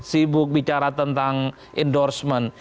sibuk bicara tentang endorsement